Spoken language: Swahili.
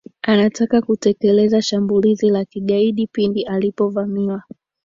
anataka kutekeleza shambulizi la kigaidi pindi alipovamiwa